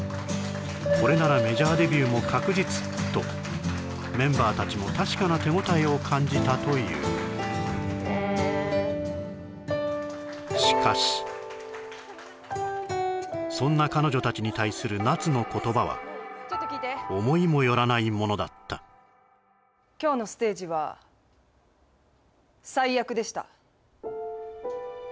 これならメジャーデビューも確実とメンバーたちも確かな手応えを感じたというしかしそんな彼女たちに対する夏の言葉は思いもよらないものだった今日のステージはえっ